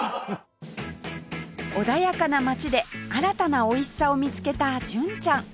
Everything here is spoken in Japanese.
穏やかな街で新たなおいしさを見つけた純ちゃん